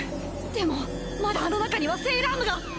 でもまだあの中にはセイラームが！